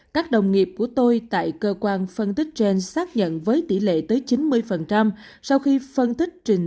các đồng nghiệp của tôi tại cơ quan phân tích trên xác nhận với tỷ lệ tới chín mươi sau khi phân tích trình